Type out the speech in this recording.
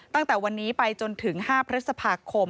ตั้งแต่วันนี้ไปจนถึง๕พฤษภาคม